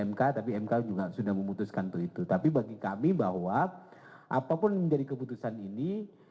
mk tapi mk juga sudah memutuskan untuk itu tapi bagi kami bahwa apapun menjadi keputusan ini